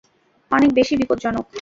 অনেক বেশি বিপদজনক।